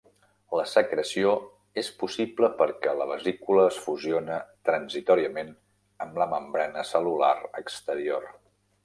La secreció és possible perquè la vesícula es fusiona transitòriament amb la membrana cel·lular exterior.